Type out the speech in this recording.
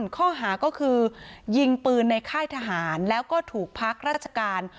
ข้อหาก็คือยิงปืนในค่ายทหารแล้วก็ถูกพักราชการ